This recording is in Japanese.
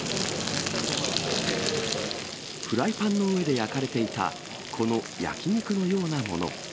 フライパンの上で焼かれていた、この焼き肉のようなもの。